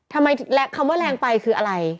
ทำไมคำว่าแรงไปคืออะไร